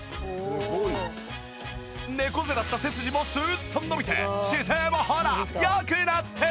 猫背だった背筋もスッと伸びて姿勢もほら良くなってる！